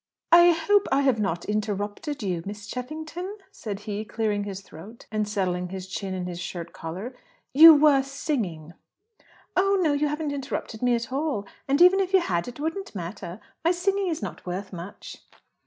"I hope I have not interrupted you, Miss Cheffington?" said he, clearing his throat and settling his chin in his shirt collar. "You were singing." "Oh no; you haven't interrupted me at all. And, even if you had, it wouldn't matter. My singing is not worth much."